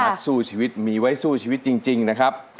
นักสู้ชีวิตมีไว้สู้ชีวิตจริงนะครับ